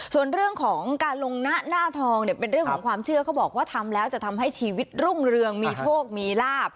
ส่วนเรื่องของการลงหน้าหน้าทองเนี่ยเป็นเรื่องของความเชื่อเขาบอกว่าทำแล้วจะทำให้ชีวิตรุ่งเรืองมีโชคมีลาบ